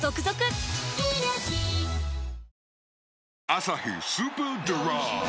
「アサヒスーパードライ」